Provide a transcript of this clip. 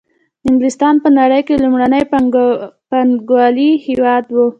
انګلستان په نړۍ کې لومړنی پانګوالي هېواد وو